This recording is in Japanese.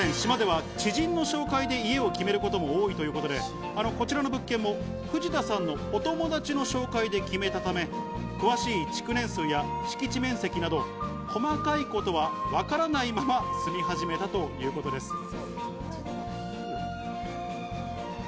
島では知人の紹介で家を決めることも多いということで、こちらの物件も藤田さんのお友達の紹介で決めたため、詳しい築年数や敷地面積など細かいことはわからないまま住み始めたということです。